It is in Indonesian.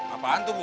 apaan tuh bu